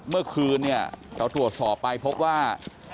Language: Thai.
เมื่อคืนเนี่ยเราตรวจสอบไปพบว่า